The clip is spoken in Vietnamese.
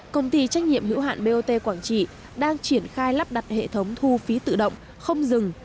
công ty trách nhiệm hữu hạn bot quảng trị đang triển khai lắp đặt hệ thống thu phí tự động không dừng